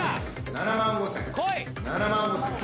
７万５，０００。